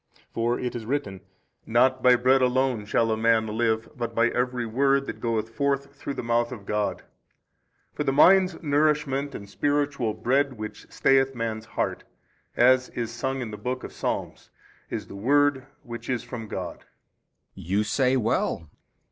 For it is written, Not by bread alone shall a man live but by every word that goeth forth through the mouth of God. For the mind's nourishment and spiritual bread which stayeth man's heart, as is sung in the book of Psalms, is the word which is from God. B. You say well.